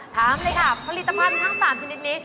ถามเลยค่ะผลิตภัณฑ์ทั้ง๓ชนิดนี้